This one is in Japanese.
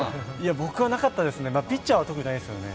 僕はなかったですね、ピッチャーは特にないですね。